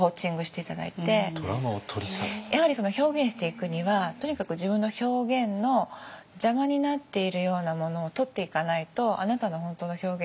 やはり表現していくにはとにかく自分の表現の邪魔になっているようなものを取っていかないとあなたの本当の表現ができないよね。